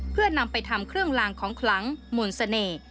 เพื่อนำไปทำเครื่องลางของคลังมูลเสน่ห์